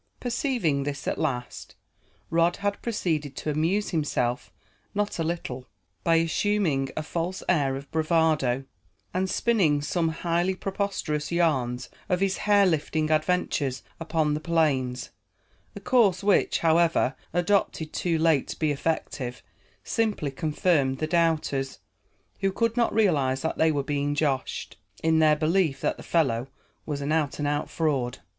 Perceiving this at last, Rod had proceeded to amuse himself not a little by assuming a false air of bravado, and spinning some highly preposterous yarns of his hair lifting adventures upon the plains; a course which, however, adopted too late to be effective, simply confirmed the doubters who could not realize that they were being joshed in their belief that the fellow was an out and out fraud.